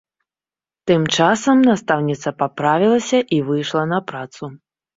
Тым часам, настаўніца паправілася і выйшла на працу.